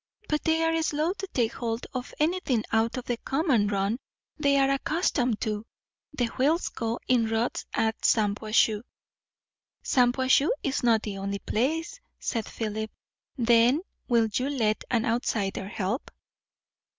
But they are slow to take hold of anything out of the common run they are accustomed to. The wheels go in ruts at Shampuashuh." "Shampuashuh is not the only place," said Philip. "Then will you let an outsider help?"